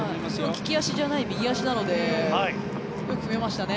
利き足じゃない右足なのでよく決めましたね。